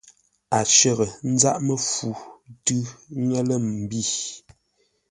A shərə́ záʼ məfu tʉ̌ ŋə́ lə̂ mbî.